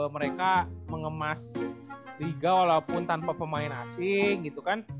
mereka mengemas liga walaupun tanpa pemain asing gitu kan